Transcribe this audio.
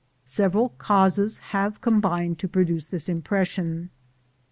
Several causes have combined to produce this impression.